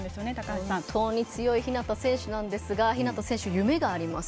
本当に強い日向選手なんですが日向選手、夢があります。